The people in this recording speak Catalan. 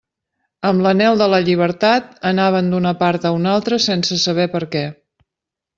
Amb l'anhel de la llibertat, anaven d'una part a una altra sense saber per què.